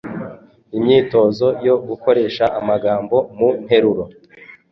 Imyitozo yo gukoresha amagambo mu nteruro